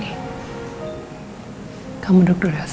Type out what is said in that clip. tetapi bisa merusak berakan timu di islands